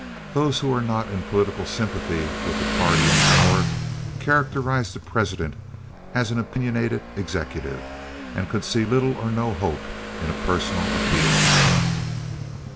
Those who were not in political sympathy with the party in power characterized the President as an opinionated executive, and could see little or no hope in a personal appeal.